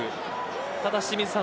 ただ清水さん